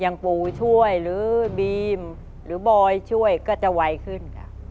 ปู่ช่วยหรือบีมหรือบอยช่วยก็จะไวขึ้นค่ะ